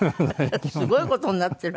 すごい事になってるわね。